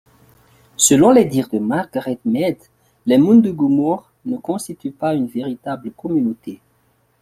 Selon les dires de Margaret Mead, les Mundugumors ne constituent pas une véritable communauté.